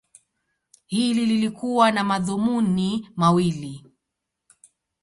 Hili lilikuwa na madhumuni mawili.